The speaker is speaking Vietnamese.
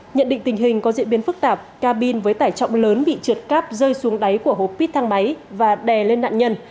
nhận định tình hình có diễn biến phức tạp cabin với tải trọng lớn bị trượt cáp rơi xuống đáy của hố pit thang máy và đè lên nạn nhân